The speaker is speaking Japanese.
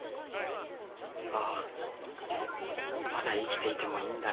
ああまだ生きていてもいいんだなって。